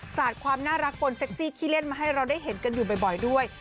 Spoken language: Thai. สาดความน่ารักบนเซ็กซี่ขี้เล่นมาให้เราได้เห็นกันอยู่บ่อยด้วย